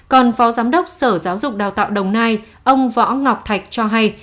còn phó giám đốc sở giáo dục đào tạo đồng nai ông võ ngọc thạch cho hay